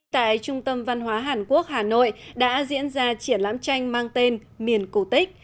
tại trung tâm văn hóa hàn quốc hà nội đã diễn ra triển lãm tranh mang tên miền cổ tích